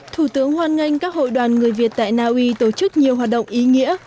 thủ tướng hoan nghênh các hội đoàn người việt tại naui tổ chức nhiều hoạt động ý nghĩa